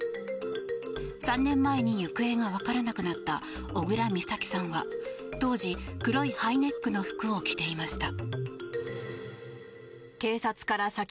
３年前に行方がわからなくなった小倉美咲さんは当時、黒いハイネックの服を着ていました。